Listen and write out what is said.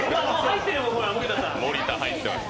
盛田入ってます。